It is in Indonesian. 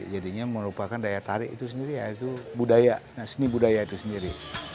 jadinya merupakan daya tarik itu sendiri yaitu budaya nah seni budaya itu sendiri